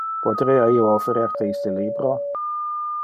Poterea io offerer te iste libro?